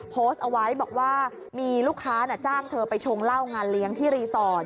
โพสต์เอาไว้บอกว่ามีลูกค้าจ้างเธอไปชงเหล้างานเลี้ยงที่รีสอร์ท